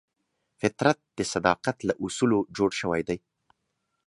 فطرت د صداقت له اصولو جوړ شوی دی.